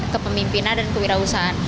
kepemimpinan dan kewirausahaan